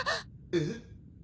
えっ？